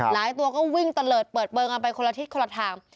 ตัวก็วิ่งตะเลิศเปิดเบิงกันไปคนละทิศคนละทาง